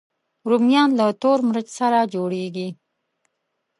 رومیان له تور مرچ سره جوړېږي